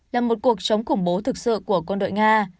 là một cuộc chống khủng bố thực sự của quân đội nga